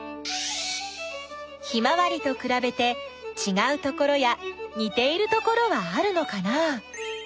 ヒマワリとくらべてちがうところやにているところはあるのかな？